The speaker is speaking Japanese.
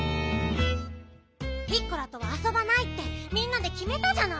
ピッコラとはあそばないってみんなできめたじゃない。